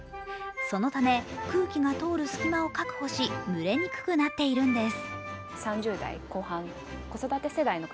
そのため空気が通る隙間を確保しぬれにくくなっているんです。